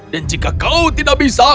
dan jika kau tidak bisa